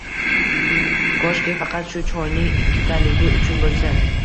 Koshki faqat shu choyning ikkitaligi uchun bo’lsa